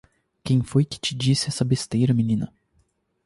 Quem foi que te disse essa besteira menina?